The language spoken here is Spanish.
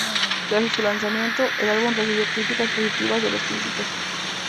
Tras su lanzamiento, el álbum recibió críticas positivas de los críticos.